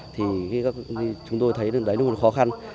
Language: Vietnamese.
thì chúng tôi thấy đấy là một khó khăn